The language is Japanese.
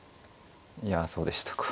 いやそうでしたか。